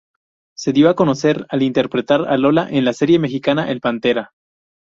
Se dio a conocer al interpretar a Lola en la serie mexicana "El Pantera".